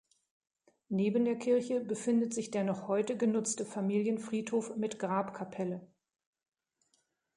Neben der Kirche befindet sich der noch heute genutzte Familienfriedhof mit Grabkapelle.